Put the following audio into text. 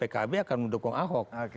pkb akan mendukung ahok